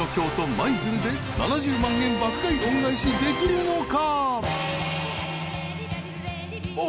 舞鶴で７０万円爆買い恩返しできるのか？］